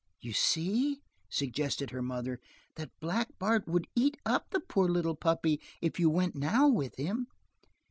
"You see," suggested her mother, "that Black Bart would eat up the poor little puppy if you went now with him."